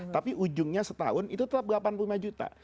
tapi ujungnya setahun itu tetap delapan puluh lima juta